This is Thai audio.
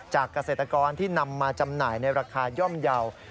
เกษตรกรที่นำมาจำหน่ายในราคาย่อมเยาว์